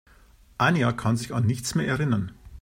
Anja kann sich an nichts mehr erinnern.